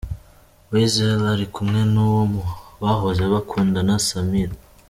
Weasel ari kumwe n'uwo bahoze bakundana, Samira.